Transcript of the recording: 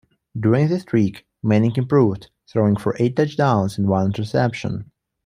During this streak, Manning improved, throwing for eight touchdowns and one interception.